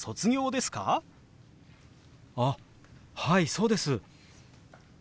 あっはいそうです！